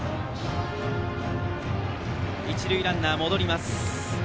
一塁ランナーは戻ります。